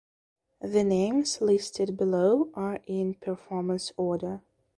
The names listed below are in performance order.